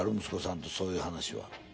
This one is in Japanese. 息子さんとはそういう話は。